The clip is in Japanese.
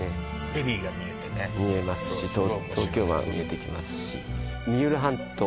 フェリーが見えてね見えますし東京湾見えてきますし三浦半島